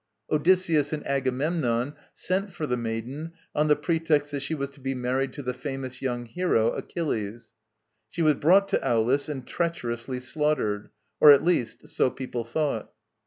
Odysseus and Agamemnon sent for the maiden on the pretext that she was to be married to the famous young hero, Achilles; she was brought to Aulis and treacherously slaughtered or, at least, so people thought.